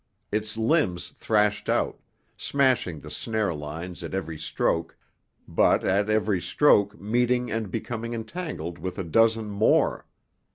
Its limbs thrashed out, smashing the snare lines at every stroke, but at every stroke meeting and becoming entangled with a dozen more.